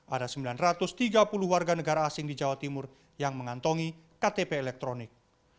ada sembilan ratus tiga puluh warga negara asing di jawa timur yang mengantongi ktp elektronik